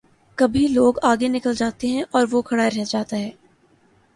کبھی لوگ آگے نکل جاتے ہیں اور وہ کھڑا رہ جا تا ہے۔